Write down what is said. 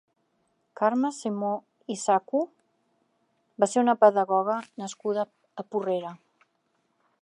Carme Simó i Saco va ser una pedagoga nascuda a Porrera.